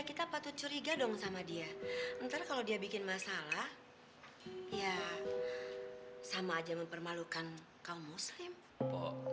kita patut curiga dong sama dia ntar kalau dia bikin masalah ya sama aja mempermalukan kaum muslim